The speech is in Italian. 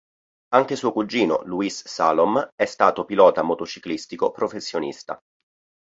Anche suo cugino, Luis Salom, è stato pilota motociclistico professionista.